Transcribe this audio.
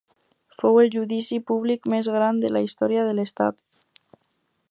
Fou el judici públic més gran de la historia de l'estat.